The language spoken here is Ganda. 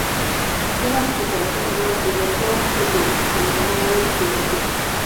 Ssebadduka yagamba nti eyaggyawo ffedero ye yamalawo eddembe.